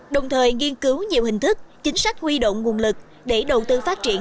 đồng thời nghiên cứu nhiều hình thức chính sách huy động nguồn lực để đầu tư phát triển